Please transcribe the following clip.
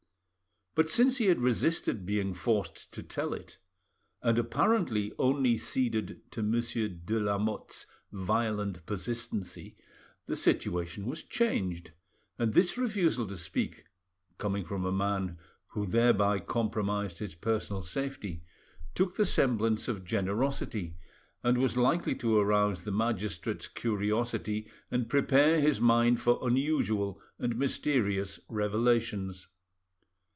But since he had resisted being forced to tell it, and apparently only ceded to Monsieur de Lamotte's violent persistency, the situation was changed; and this refusal to speak, coming from a man who thereby compromised his personal safety, took the semblance of generosity, and was likely to arouse the magistrate's curiosity and prepare his mind for unusual and mysterious revelations.